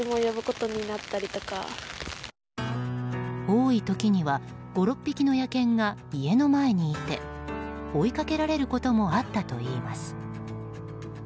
多い時には５６匹の野犬が家の前にいて追いかけられることもあったといいます。